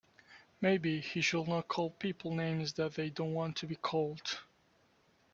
Maybe he should not call people names that they don't want to be called.